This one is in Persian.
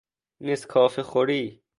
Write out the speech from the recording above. نسکافه خوری